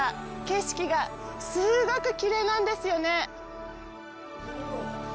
景色が、すごくきれいなんですよね。